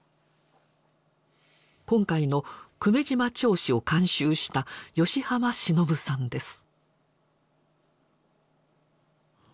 今回の「久米島町史」を監修した吉浜忍さんです。